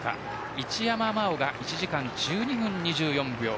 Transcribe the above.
一山が１時間１２分２４秒。